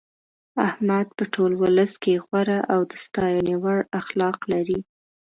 احمد په ټول ولس کې غوره او د ستاینې وړ اخلاق لري.